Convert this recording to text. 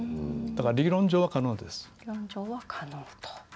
だから、理論上は可能です。